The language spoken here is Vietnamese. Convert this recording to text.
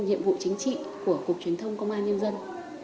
nhiệm vụ chính trị của cục truyền thông công an nhân dân